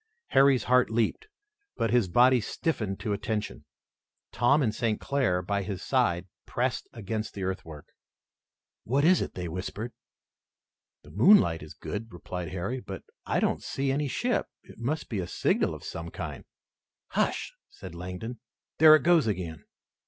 Harry's heart leaped, but his body stiffened to attention. Tom and St. Clair by his side pressed against the earthwork. "What is it?" they whispered. "The moonlight is good," replied Harry, "but I don't see any ship. It must be a signal of some kind." "Hush!" said Langdon, "there it goes again!"